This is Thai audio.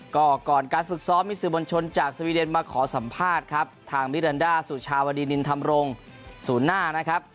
ก็ก่อนการฝึกซ้อมมีสื่อบนชนจากสวีเดนมาขอสัมภาษณ์ครับทางมิรันดาสุชาวดีนินธรรมรงศูนย์หน้านะครับ